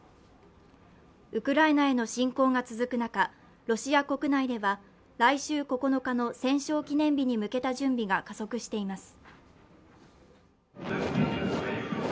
ウクライナへの侵攻が続く中ロシア国内では来週９日の戦勝記念日に向けた準備が加速しています。